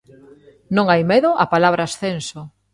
Non hai medo á palabra ascenso.